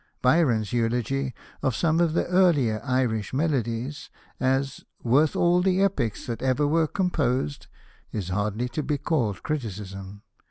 Byron's eulogy of some of the earlier Irish Melodies as " worth all the epics that ever were composed," is hardly to be called criticism.